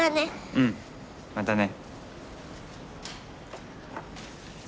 うんまたね。